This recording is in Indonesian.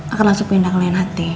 akan langsung pindah ke lain hati